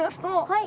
はい！